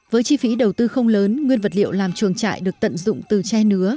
với chi phí đầu tư không lớn nguyên vật liệu làm chuồng trại được tận dụng từ tre nứa